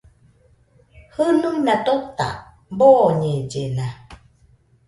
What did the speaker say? Jɨnuina tota boñellena.